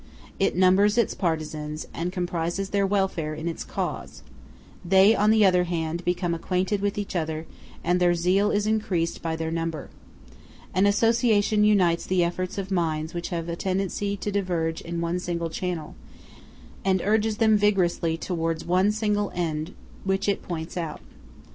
It numbers its partisans, and compromises their welfare in its cause: they, on the other hand, become acquainted with each other, and their zeal is increased by their number. An association unites the efforts of minds which have a tendency to diverge in one single channel, and urges them vigorously towards one single end which it points out.